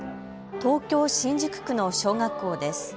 東京新宿区の小学校です。